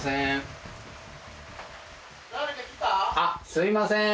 あっすいません。